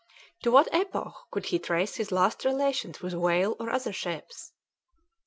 To what epoch could he trace his last relations with whale or other ships?